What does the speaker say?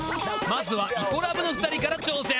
まずはイコラブの２人から挑戦。